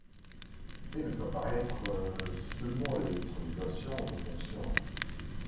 Elle ne doit pas être seulement l’électronisation de fonctions.